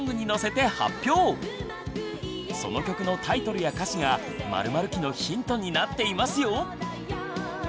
その曲のタイトルや歌詞が○○期のヒントになっていますよ！